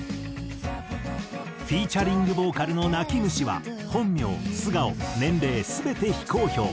フィーチャリングボーカルの泣き虫は本名素顔年齢全て非公表。